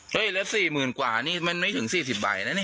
เฮ้ยแล้วสี่หมื่นกว่านี่มันไม่ถึงสี่สิบบ่ายน่ะนี่